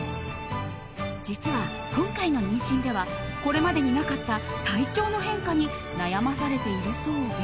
実は、今回の妊娠ではこれまでになかった体調の変化に悩まされているそうで。